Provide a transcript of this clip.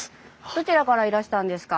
どちらからいらしたんですか？